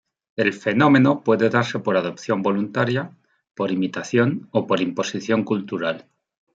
El fenómeno puede darse por adopción voluntaria, por imitación, o por imposición cultural.